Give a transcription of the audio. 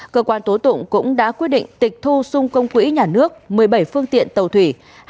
cơ quan tố tụng cũng đã quyết định tịch thu xung công quỹ nhà nước một mươi bảy phương tiện tàu thủy